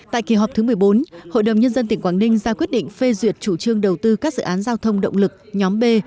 tại kỳ họp thứ một mươi bốn hội đồng nhân dân tỉnh quảng ninh ra quyết định phê duyệt chủ trương đầu tư các dự án giao thông động lực nhóm b